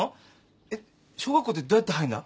えっ小学校ってどうやって入んだ？